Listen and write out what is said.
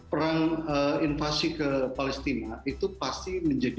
perang invasi ke palestina itu pasti bergantung kepada